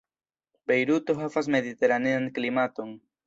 Bejruto havas mediteranean klimaton.